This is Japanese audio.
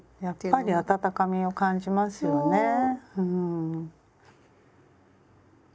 やっぱり温かみを感じますよね。